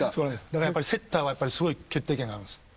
だからセッターはすごい決定権があるんです。